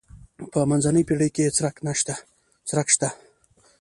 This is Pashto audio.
په منځنۍ پېړۍ کې یې څرک شته.